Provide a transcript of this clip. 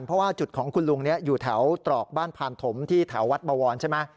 เพราะว่าจุดของคุณลุงนี้อยู่แถวตรอกบ้านพานถมที่แถววัดบวรใช่ไหม